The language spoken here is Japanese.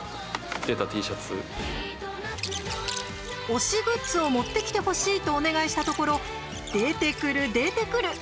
推しグッズを持ってきてほしいとお願いしたところ出てくる、出てくる。